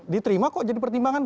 diterima kok jadi pertimbangan